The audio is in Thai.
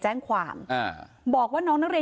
เชิงชู้สาวกับผอโรงเรียนคนนี้